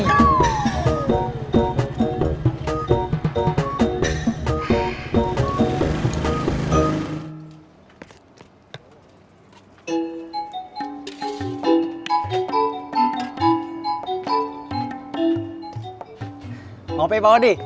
mau apa pak odi